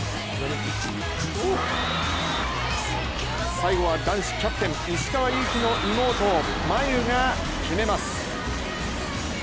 最後は男子キャプテン・石川祐希の妹真佑が決めます。